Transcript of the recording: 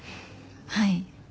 はい。